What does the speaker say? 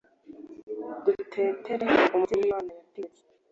dutetere, umubyeyi uwo imana yatatse